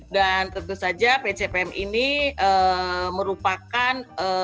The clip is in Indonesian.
dan tentu saja pcpm ini merupakan